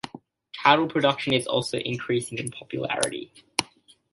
Cattle production is also increasing in popularity.